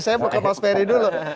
saya mau ke mas ferry dulu